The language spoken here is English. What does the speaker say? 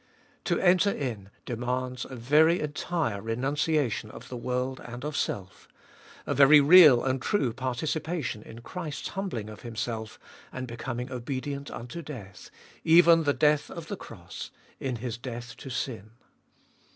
To enter in demands a very entire renunciation of the world and of self, a very real and true participation in Christ's humbling of Himself and becoming obedient unto death, even the death of the cross — in His death to sin.